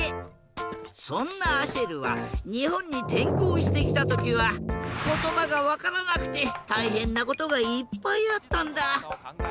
そんなアシェルはにほんにてんこうしてきたときはことばがわからなくてたいへんなことがいっぱいあったんだ。